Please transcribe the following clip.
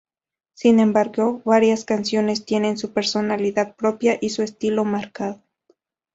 Sin embargo, varias canciones tienen su personalidad propia y su estilo marcado.